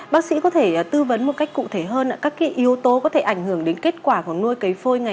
bác sĩ có thể tư vấn một cách cụ thể hơn các yếu tố có thể ảnh hưởng đến kết quả của nuôi cấy phôi ngày